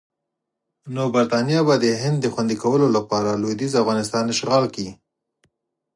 نو برټانیه به د هند د خوندي کولو لپاره لویدیځ افغانستان اشغال کړي.